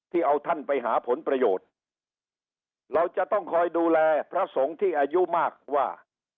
เอาท่านไปหาผลประโยชน์เราจะต้องคอยดูแลพระสงฆ์ที่อายุมากว่า